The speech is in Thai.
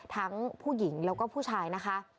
ทั้งผู้หญิงแล้วก็ผู้ชายนะคะ